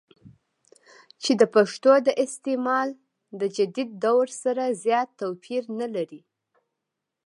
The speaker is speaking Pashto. چې دَپښتو دَاستعمال دَجديد دور سره زيات توپير نۀ لري